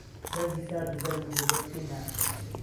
بهردی سارد و گهرمت وەبەرپێی نایە